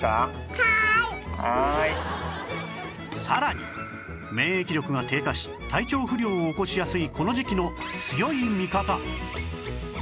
さらに免疫力が低下し体調不良を起こしやすいこの時期の強い味方